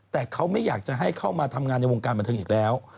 แต่เขาไม่อยากจะให้เข้ามาทำงานในวงการบันเทิงอีกแล้ว